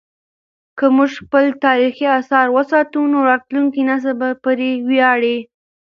که موږ خپل تاریخي اثار وساتو نو راتلونکی نسل به پرې ویاړي.